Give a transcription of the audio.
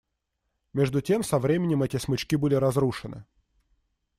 Между тем со временем эти смычки были разрушены.